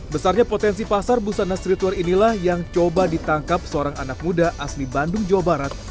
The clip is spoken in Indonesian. besarnya potensi pasar busana streetwear inilah yang coba ditangkap seorang anak muda asli bandung jawa barat